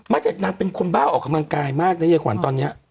มาจากนั้นเป็นคนบ้าออกกำลังกายมากนะเยี่ยมขวัญตอนเนี้ย